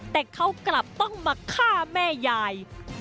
แต่เขากลับต้องมาฆ่าแม่ยาย